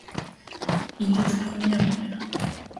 Il est le premier à mourir.